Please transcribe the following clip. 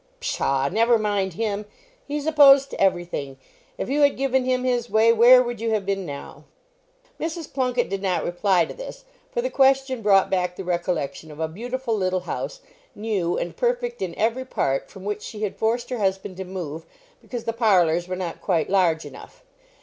"Pshaw! never mind him; he's opposed to every thing. If you had given him his way, where would you have been now?" Mrs. Plunket did not reply to this, for the question brought back the recollection of a beautiful little house, new, and perfect in every part, from which she had forced her husband to move, because the parlours were not quite large enough.